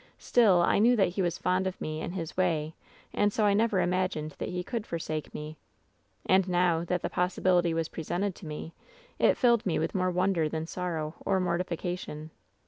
Still, I knew that he was fond of me, in his way, and so I never imagined that he could forsake me. And, now that the possibility was presented to me, it filled me with more wonder than sorrow or mortification.